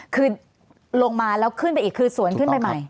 คือลงมาแล้วขึ้นไปอีกคือสวนขึ้นไปใหม่